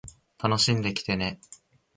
楽しんできてね